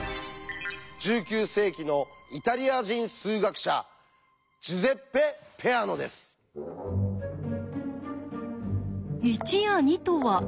１９世紀のイタリア人数学者「１」や「２」とは何なのか？